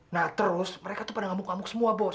nah terus mereka tuh pada ngamuk ngamuk semua bos